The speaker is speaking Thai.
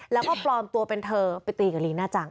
แล้วก็ปลอมตัวเป็นเธอไปตีกับลีน่าจัง